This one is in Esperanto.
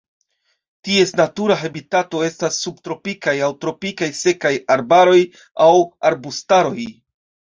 Ties natura habitato estas subtropikaj aŭ tropikaj sekaj arbaroj aŭ arbustaroj.